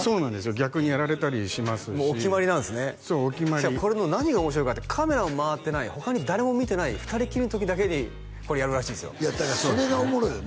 逆にやられたりしますしもうお決まりなんですねそうお決まりこれの何が面白いかってカメラも回ってない他に誰も見てない二人きりの時だけにこれやるらしいんですよだからそれがおもろいよね？